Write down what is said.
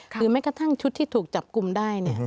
แม้กระทั่งชุดที่ถูกจับกลุ่มได้